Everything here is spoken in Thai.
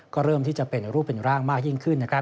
ก็เริ่มที่จะเป็นรูปเป็นร่างมากยิ่งขึ้นนะครับ